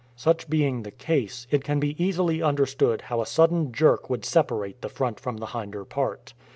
Such being the case, it can be easily understood how a sudden jerk would separate the front from the hinder part.